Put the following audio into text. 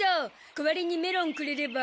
代わりにメロンくれれば。